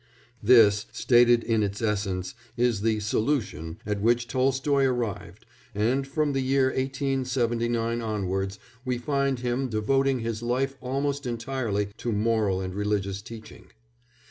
This, stated in its essence, is the "solution" at which Tolstoy arrived, and from the year 1879 onwards we find him devoting his life almost entirely to moral and religious teaching.